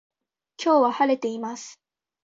今日は晴れています